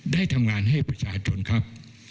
ได้ทำงานให้ประชาชนครับ